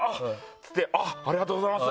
つってありがとうございます。